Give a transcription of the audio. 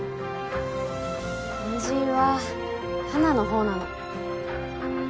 恩人は花の方なの。